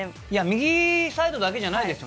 右サイドだけじゃないです。